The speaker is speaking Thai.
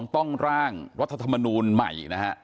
ต้องร่างรัฐธรรมนูลใหม่นะฮะ